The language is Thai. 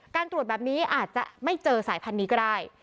การตรวจแบบนี้อาจจะไม่เจอสายพันธุ์นี้ก็ได้